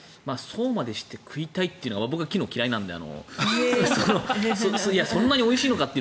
そうまでして食いたいというのは僕はキノコ嫌いなのでそんなにおいしいのかって